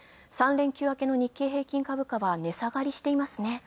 ３連休明けの日経平均株価は値下がりしていますね。